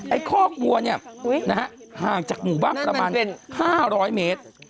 ไอ้คอกวัวนี่ห่างจากหมู่บั๊บประมาณ๕๐๐เมตร